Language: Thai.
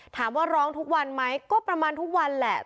ถามว่าร้องทุกวันไหมก็ประมาณทุกวันแหละ